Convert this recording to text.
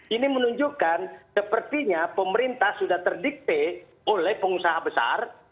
ini menunjukkan sepertinya pemerintah sudah terdikte oleh pengusaha besar